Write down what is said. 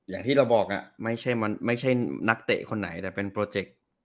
อย่างที่เราบอกไม่ใช่นักเตะคนไหนแต่เป็นโปรเจกต์